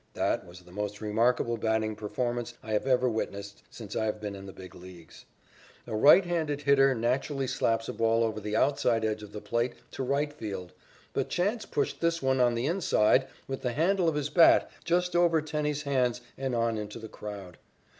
That was the most remarkable batting performance I have ever witnessed since I have been in the Big Leagues. A right handed hitter naturally slaps a ball over the outside edge of the plate to right field, but Chance pushed this one, on the inside, with the handle of his bat, just over Tenney's hands and on into the crowd.